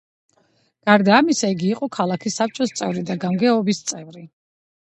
გარდა ამისა იგი იყო ქალაქის საბჭოს წევრი და გამგეობის წევრი.